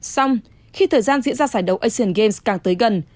xong khi thời gian diễn ra giải đấu asian games càng tới gần